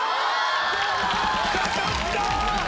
掛かった！